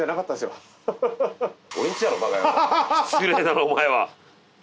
失礼だなお前は。